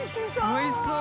おいしそう！